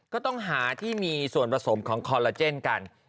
ก็ต้องหาที่มีส่วนผสมของคอลลาเจนกัน